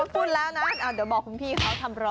พูดแล้วนะเดี๋ยวบอกคุณพี่เขาทำรอ